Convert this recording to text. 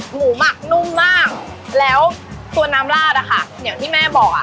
หมักนุ่มมากแล้วตัวน้ำลาดอะค่ะอย่างที่แม่บอกอ่ะ